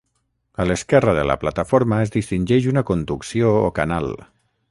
A l'esquerra de la plataforma es distingeix una conducció o canal.